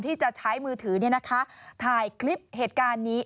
ที่จะใช้มือถือถ่ายคลิปเหตุการณ์นี้